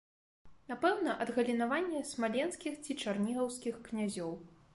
Напэўна, адгалінаванне смаленскіх ці чарнігаўскіх князёў.